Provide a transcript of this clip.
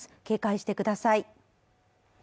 警戒してください